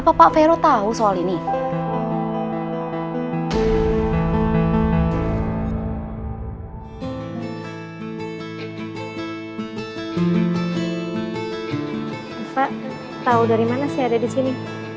bapak tau dari mana saya ada disini